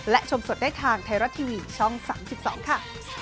และชมสดได้ทางไทยรัฐทีวีช่อง๓๒ค่ะ